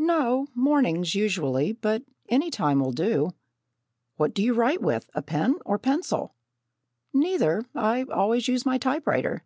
"No, mornings, usually; but any time will do." "What do you write with a pen or a pencil?" "Neither, I always use a typewriter."